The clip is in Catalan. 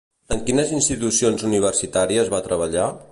En quines institucions universitàries va treballar?